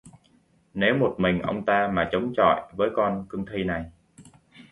Nếu một mình ông ta mà chống chọi với con cương thi này